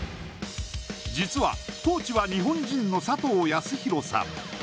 実は、コーチは日本人の佐藤康弘さん。